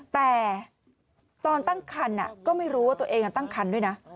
แต่ตอนตั้งคันก็ไม่รู้ว่าตัวเองตั้งคันด้วยนะ